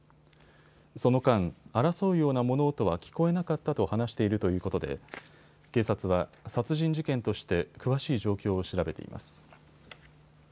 その間、争うような物音は聞こえなかったと話しているということで警察は殺人事件として詳しい状況を調べています。